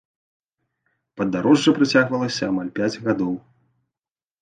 Падарожжа працягвалася амаль пяць гадоў.